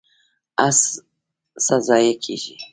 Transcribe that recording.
هڅه ضایع کیږي؟